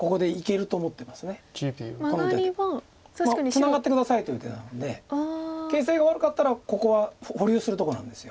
「ツナがって下さい」という手なんで形勢が悪かったらここは保留するとこなんです。